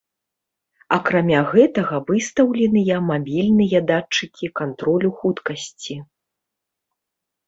Акрамя гэтага выстаўленыя мабільныя датчыкі кантролю хуткасці.